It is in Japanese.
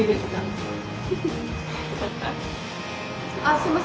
すいません。